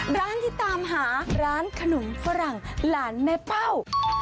ร้านที่ตามหาร้านขนมฝรั่งหลานแม่เป้า